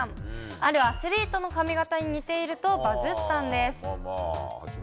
あるアスリートの髪形に似ているとバズったんです。